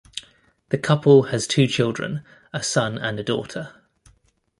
The couple has two children: a son and a daughter.